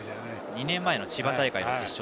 ２年前の千葉大会の決勝。